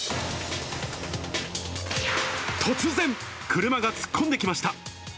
突然、車が突っ込んできました。